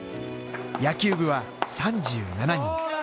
野球部は３７人。